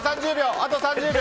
あと３０秒！